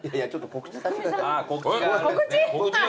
告知？